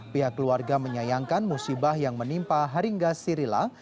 pihak keluarga menyayangkan musibah yang menimpa haringga sirila